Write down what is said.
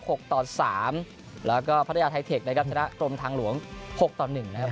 กต่อสามแล้วก็พัทยาไทเทคนะครับชนะกรมทางหลวงหกต่อหนึ่งนะครับ